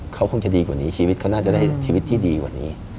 เขาคงจะดีกว่านี้ชีวิตเขาน่าจะได้ชีวิตที่ดีกว่านี้